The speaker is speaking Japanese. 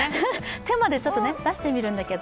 手まで出してみるんだけど。